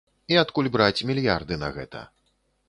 І адкуль браць мільярды на гэта.